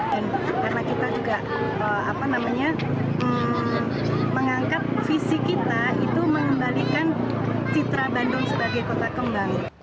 dan karena kita juga mengangkat visi kita itu mengembalikan citra bandung sebagai kota kembang